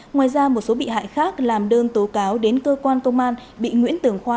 ngoài ra một số bị hại khác làm đơn tố cáo đến cơ quan công an bị nguyễn tường khoa